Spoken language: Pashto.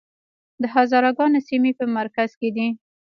د هزاره ګانو سیمې په مرکز کې دي